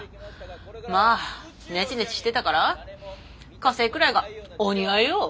まあネチネチしてたから火星くらいがお似合いよ。